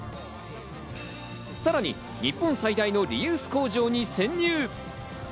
さらに日本最大のリユース工場に潜入。